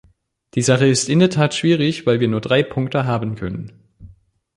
Die Sache ist in der Tat schwierig, weil wir nur drei Punkte haben können.